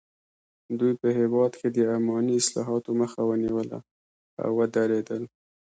دوی په هېواد کې د اماني اصلاحاتو مخه ونیوله او ودریدل.